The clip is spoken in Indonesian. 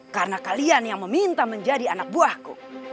karena kalian yang meminta menjadi anak buahku